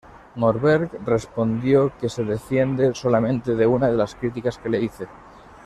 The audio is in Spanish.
Norberg respondió que "se defiende solamente de una de las críticas que le hice.